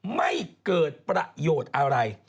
ไม่เกิดประโยชน์อะไร